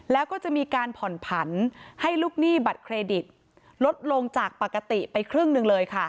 แล้วก็จะมีการผ่อนผันให้ลูกหนี้บัตรเครดิตลดลงจากปกติไปครึ่งหนึ่งเลยค่ะ